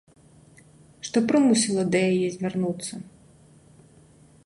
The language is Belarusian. Што прымусіла да яе звярнуцца?